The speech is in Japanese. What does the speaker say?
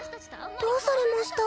どうされました？